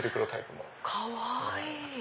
かわいい！